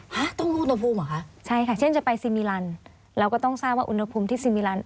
ฮะต้องรู้อุณหภูมิเหรอคะใช่ค่ะเช่นจะไปสิมีรันดิ์เราก็ต้องทราบว่าอุณหภูมิที่สิมีรันดิ์